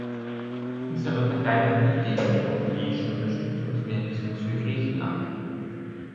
Unsere Partei war nie gegen den europäischen Unterstützungsmechanismus für Griechenland.